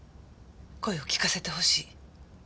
声を聞かせてほしい。